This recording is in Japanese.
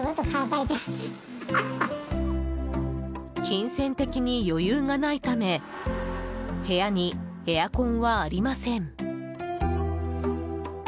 金銭的に余裕がないため部屋にエアコンはありません。